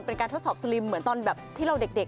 ทดสอบสลิมเหมือนตอนแบบที่เราเด็ก